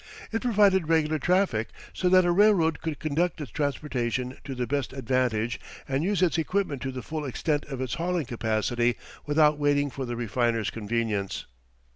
It provided regular traffic, so that a railroad could conduct its transportation to the best advantage and use its equipment to the full extent of its hauling capacity without waiting for the refiner's convenience.